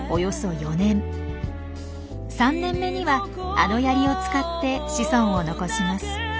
３年目にはあのヤリを使って子孫を残します。